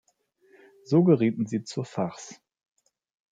So gerieten sie zur Farce.